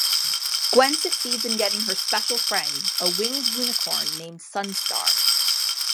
Gwen succeeds in getting her Special Friend, a winged unicorn named Sunstar.